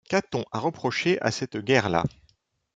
Qu’a-t-on à reprocher à cette guerre-là?